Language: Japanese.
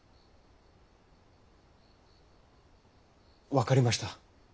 分かりました。